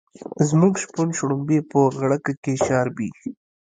زموږ شپون شړومبی په غړکه کې شاربي.